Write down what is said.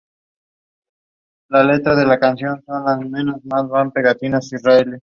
Por ello decidió volver a Argentina para seguir su carrera allí.